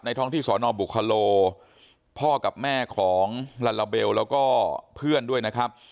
ท้องที่สอนอบุคโลพ่อกับแม่ของลาลาเบลแล้วก็เพื่อนด้วยนะครับ